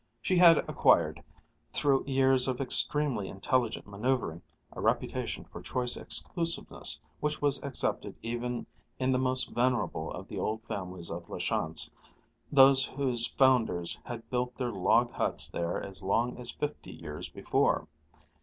She had acquired, through years of extremely intelligent manoeuvering, a reputation for choice exclusiveness which was accepted even in the most venerable of the old families of La Chance, those whose founders had built their log huts there as long as fifty years before.